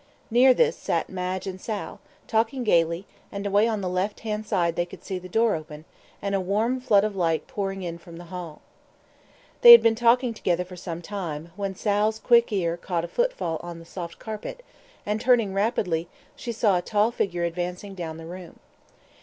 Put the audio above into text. Near this sat Madge and Sal, talking gaily, and away on the left hand side they could see the door open, and a warm flood of light pouring in from the hall. They had been talking together for some time, when Sal's quick ear caught a footfall on the soft carpet, and, turning rapidly, she saw a tall figure advancing down the room.